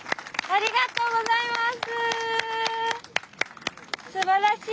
ありがとうございます。